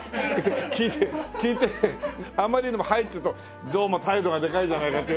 聞いて聞いてあまりにも「はい」って言うとどうも態度がでかいじゃないかって言われるしな。